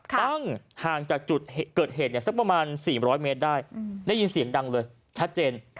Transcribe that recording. ตั้งห่างจากจุดเกิดเหตุสักประมาณ๔๐๐เมตรได้ได้ยินเสียงดังเลยชัดเจน